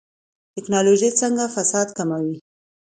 ټکنالوژي څنګه فساد کموي؟